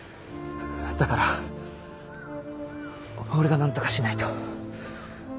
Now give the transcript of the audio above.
だから俺がなんとかしないと。